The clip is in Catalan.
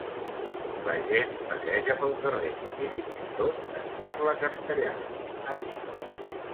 La gent passeja pel carrer i, fins i tot, es parla castellà, ha dit.